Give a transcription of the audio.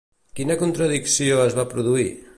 Quina contradicció es va produir?